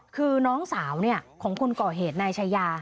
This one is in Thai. คือน้องสาวของคนก่อเหตุนายชายา